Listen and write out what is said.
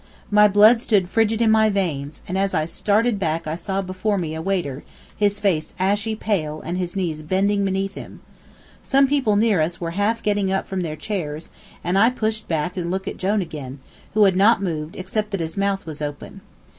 My blood stood frigid in my veins, and as I started back I saw before me a waiter, his face ashy pale, and his knees bending beneath him. Some people near us were half getting up from their chairs, and I pushed back and looked at Jone again, who had not moved except that his mouth was open.